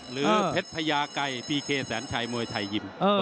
หรือเพชรพญากัย